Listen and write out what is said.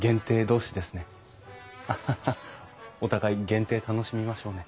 お互い限定楽しみましょうね。